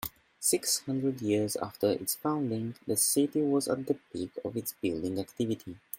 Six hundred years after its founding, the city was at the peak of its building activity.